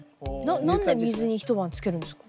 何で水に一晩つけるんですか？